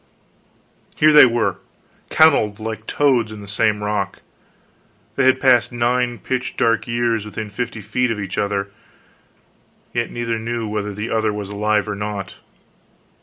Here they were, kenneled like toads in the same rock; they had passed nine pitch dark years within fifty feet of each other, yet neither knew whether the other was alive or not.